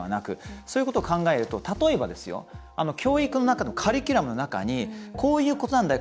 そういうことを考えると、例えば教育の中、カリキュラムの中にこういうことなんだよ